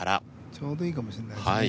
ちょうどいいかもしんないですね。